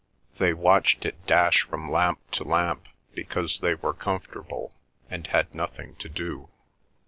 They watched it dash from lamp to lamp, because they were comfortable, and had nothing to do.